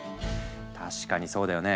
確かにそうだよね。